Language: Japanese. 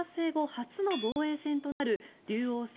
初の防衛戦となる竜王戦